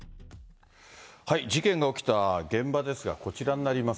事件が起きた現場ですが、こちらになります。